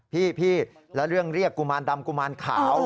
พี่แล้วเรื่องเรียกกุมารดำกุมารขาว